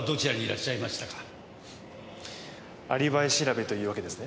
アリバイ調べというわけですね。